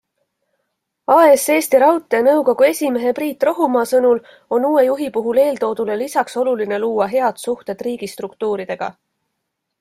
AS Eesti Raudtee nõukogu esimehe Priit Rohumaa sõnul on uue juhi puhul eeltoodule lisaks oluline luua head suhted riigistruktuuridega.